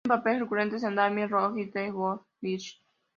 Tiene papeles recurrentes en "Damien", "Rogue" y "The Good Witch".